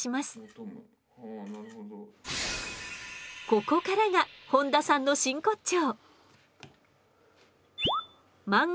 ここからが本多さんの真骨頂！